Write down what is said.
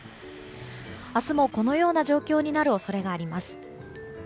明日もこのような状況になる恐れがあります。